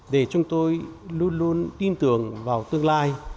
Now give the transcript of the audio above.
để chúng tôi luôn luôn tin tưởng vào tương lai